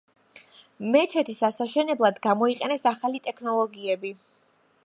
მეჩეთის ასაშენებლად გამოიყენეს ახალი ტექნოლოგიები.